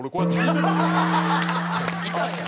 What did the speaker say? いたんや？